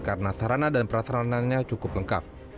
karena sarana dan prasarannya cukup